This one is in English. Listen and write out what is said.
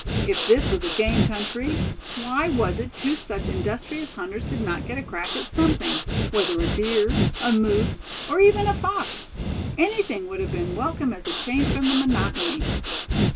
If this was a game country, why was it two such industrious hunters did not get a crack at something, whether a deer, a moose, or even a fox anything would have been welcome as a change from the monotony.